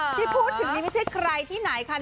ที่พูดถึงนี่ไม่ใช่ใครที่ไหนค่ะ